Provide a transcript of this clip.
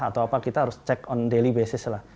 atau apa kita harus cek on daily basis lah